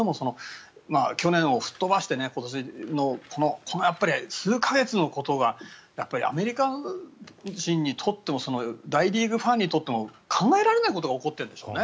去年を吹っ飛ばして今年の、この数か月のことがやっぱりアメリカ人にとっても大リーグファンにとっても考えられないことが起こっているんでしょうね。